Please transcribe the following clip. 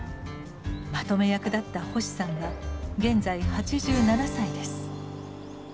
まとめ役だった星さんが現在８７歳です。